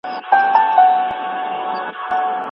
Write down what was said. د وینې شکر ثابت پاتې کېږي.